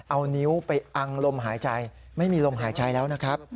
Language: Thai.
เอานิ้วไปอังลมหายใจไม่มีลมหายใจแล้วนะครับ